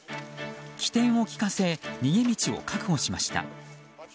機転を利かせ逃げ道を確保しました。